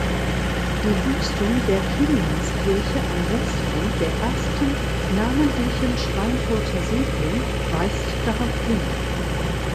Die Wüstung der Kilianskirche am Westrand der ersten namentlichen Schweinfurter Siedlung weist darauf hin.